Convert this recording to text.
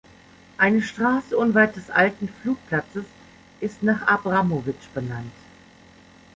Eine Straße unweit des alten Flugplatzes ist nach Abramowitsch benannt.